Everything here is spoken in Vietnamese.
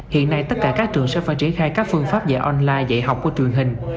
hiện nay tất cả các trường sẽ phải triển khai các phương pháp dạy online dạy học của truyền hình